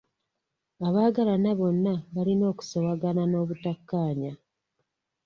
Abaagalana bonna balina okusoowagana n'obutakkaanya.